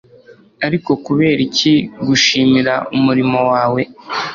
Ariko kubera iki gushimira umurimo wawe